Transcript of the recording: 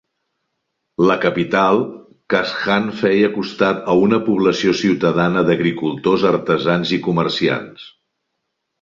La capital, Qashan feia costat a una població ciutadana d'agricultors, artesans i comerciants.